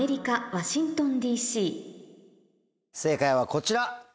正解はこちら。